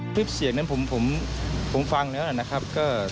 คลิปเสียงนั้นผมฟังแล้วนะครับ